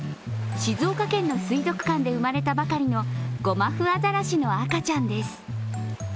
静岡県の水族館で生まれたばかりのゴマフアザラシの赤ちゃんです。